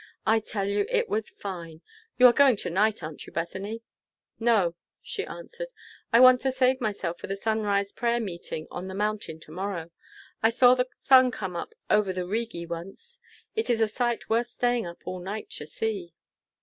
I tell you, it was fine! You're going to night, aren't you, Bethany?" "No," she answered, "I want to save myself for the sunrise prayer meeting on the mountain to morrow. I saw the sun come up over the Rigi once. It is a sight worth staying up all night to see."